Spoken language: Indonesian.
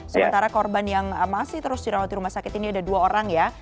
sementara korban yang masih terus dirawat di rumah sakit ini ada dua orang ya